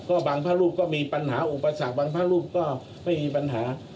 ก็บางพระรูปก็มีปัญหาอุปสรรคบางพระรูปก็ไม่มีปัญหา